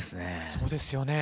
そうですよね。